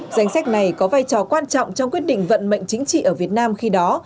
danh sách này có vai trò quan trọng trong quyết định vận mệnh chính trị ở việt nam khi đó